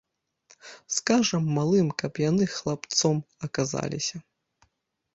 Скажам малым, каб яны хлапцом аказаліся.